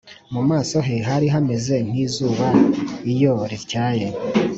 Mu maso he hari hameze nk’izuba iyo rityaye.